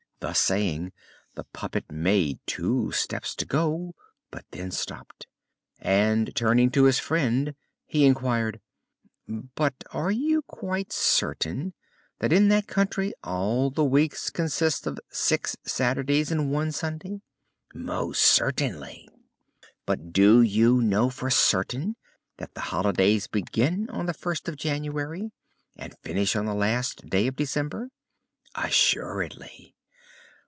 Thus saying, the puppet made two steps to go, but then stopped, and, turning to his friend, he inquired: "But are you quite certain that in that country all the weeks consist of six Saturdays and one Sunday?" "Most certainly." "But do you know for certain that the holidays begin on the first of January and finish on the last day of December?" "Assuredly."